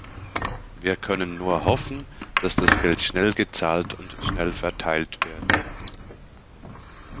Wir können nur hoffen, dass das Geld schnell gezahlt und schnell verteilt wird.